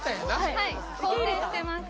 はい肯定してます